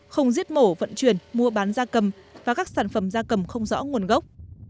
không giết mổ vận chuyển mua bán gia cầm và các sản phẩm gia cầm không rõ nguồn gốc